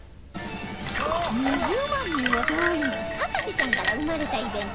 ２０万人を動員『博士ちゃん』から生まれたイベント